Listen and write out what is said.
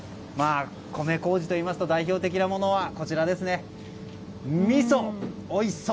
米麹といいますと代表的なものはみそ、おいしそう。